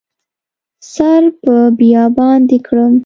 سر په بیابان دې کړم